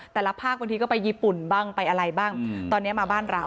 แต่ละภาคบางทีก็ไปญี่ปุ่นบ้างไปอะไรบ้างตอนนี้มาบ้านเรา